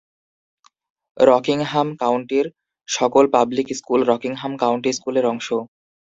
Rockingham কাউন্টির সকল public school Rockingham County স্কুলের অংশ।